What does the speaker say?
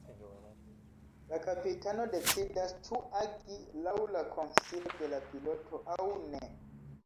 La kapitano decidas ĉu agi laŭ la konsilo de la piloto aŭ ne.